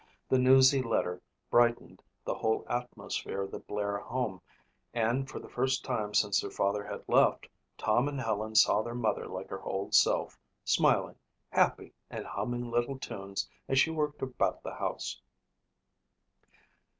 The newsy letter brightened the whole atmosphere of the Blair home and for the first time since their father had left, Tom and Helen saw their mother like her old self, smiling, happy and humming little tunes as she worked about the house.